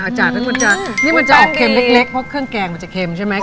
จากนั้นมันจะนี่มันจะออกเค็มเล็กเพราะเครื่องแกงมันจะเค็มใช่ไหม